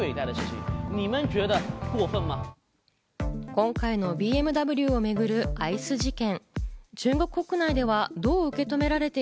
今回のＢＭＷをめぐるアイス事件。